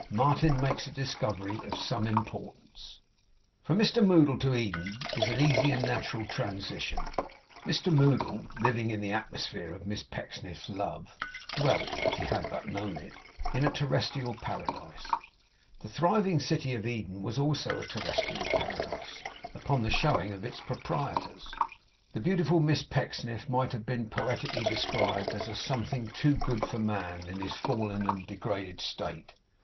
MARTIN MAKES A DISCOVERY OF SOME IMPORTANCE From Mr Moddle to Eden is an easy and natural transition. Mr Moddle, living in the atmosphere of Miss Pecksniff's love, dwelt (if he had but known it) in a terrestrial Paradise. The thriving city of Eden was also a terrestrial Paradise, upon the showing of its proprietors. The beautiful Miss Pecksniff might have been poetically described as a something too good for man in his fallen and degraded state.